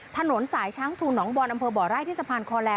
ถนนสายช้างพลูหนองบอลอำเภอบ่อไร่ที่สะพานคอแล